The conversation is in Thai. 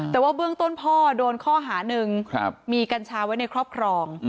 แต่ว่าเบื้องต้นพ่อโดนข้อหาหนึ่งมีกัญชาไว้ในครอบครอง